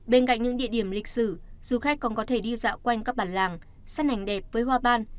bên cạnh những địa điểm lịch sử du khách còn có thể đi dạo quanh các bản làng săn ảnh đẹp với hoa ban